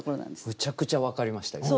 むちゃくちゃ分かりました今。